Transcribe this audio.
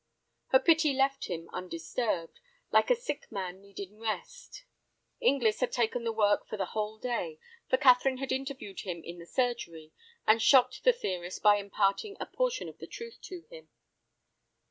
Her pity left him undisturbed, like a sick man needing rest. Inglis had taken the work for the whole day, for Catherine had interviewed him in the surgery, and shocked the theorist by imparting a portion of the truth to him.